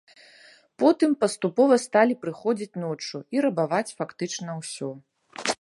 Потым паступова сталі прыходзіць ноччу і рабаваць фактычна ўсё.